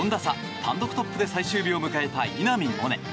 単独トップで最終日を迎えた稲見萌寧。